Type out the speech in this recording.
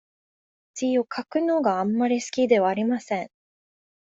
字を書くのがあまり好きではありません。